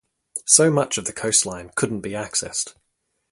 So much of the coastline couldn't be accessed.